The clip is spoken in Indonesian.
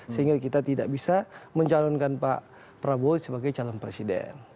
sehingga kita tidak bisa mencalonkan pak prabowo sebagai calon presiden